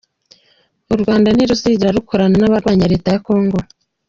U Rwanda ntiruzigera rukorana n’abarwanya leta ya congo